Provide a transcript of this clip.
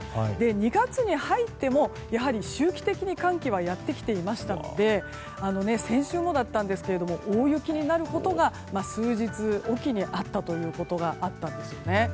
２月に入っても、やはり周期的に寒気はやってきていましたので先週もだったんですが大雪になることが数日おきにあったということがあったんですよね。